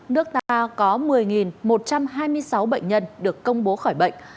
nước ta có một mươi một trăm hai mươi sáu bệnh nhân được công bố khỏi bệnh